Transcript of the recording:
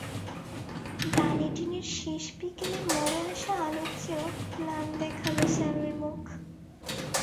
ডানেডিনের শেষ বিকেলের মরে আসা আলোর চেয়েও ম্লান দেখাল স্যামির মুখ।